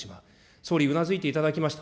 総理、うなずいていただきました。